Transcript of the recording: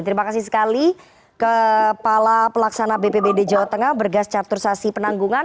terima kasih sekali kepala pelaksana bpbd jawa tengah bergas catur sasi penanggungan